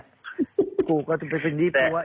เพราะว่าตอนแรกมีการพูดถึงนิติกรคือฝ่ายกฎหมาย